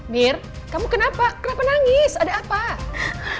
bir kamu kenapa kenapa nangis ada apa